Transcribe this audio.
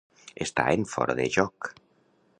Estar en fora de joc.